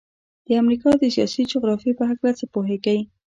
د امریکا د سیاسي جغرافیې په هلکه څه پوهیږئ؟